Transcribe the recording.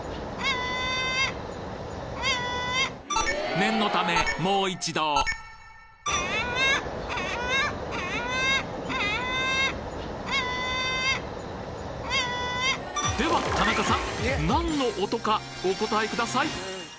念のためもう一度では田中さん何の音かお答えください！